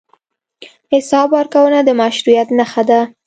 حساب ورکونه د مشروعیت نښه ده.